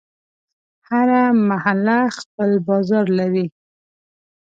هره محله خپل بازار لري.